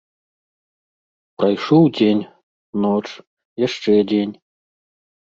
Прайшоў дзень, ноч, яшчэ дзень.